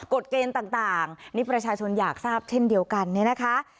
กฎเกณฑ์ต่างนี่ประชาชนอยากทราบเช่นเดียวกันเนี่ยนะคะ